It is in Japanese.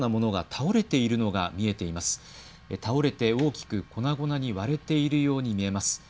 倒れて大きく粉々に割れているように見えます。